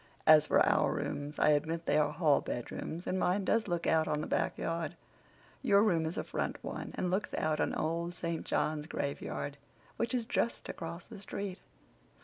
As for our rooms, I admit they are hall bedrooms, and mine does look out on the back yard. Your room is a front one and looks out on Old St. John's graveyard, which is just across the street."